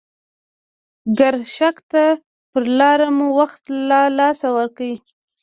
ګرشک ته پر لاره مو وخت له لاسه ورکړی.